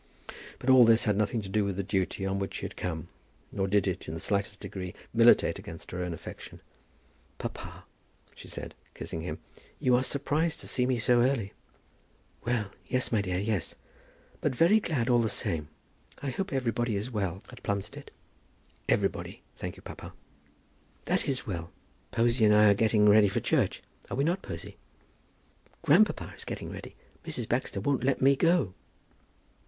But all this had nothing to do with the duty on which she had come; nor did it, in the slightest degree, militate against her own affection. "Papa," she said, kissing him, "you are surprised to see me so early?" "Well, my dear, yes; but very glad all the same. I hope everybody is well at Plumstead?" "Everybody, thank you, papa." "That is well. Posy and I are getting ready for church. Are we not, Posy?" "Grandpapa is getting ready. Mrs. Baxter won't let me go."